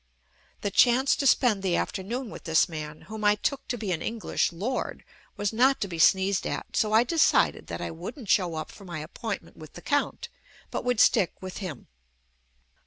The chance to spend the after noon with this man, whom I took to be an Eng lish Lord, was not to be sneezed at, so I de cided that I wouldn't show up for my appoint ment with the Count, but would stick with him.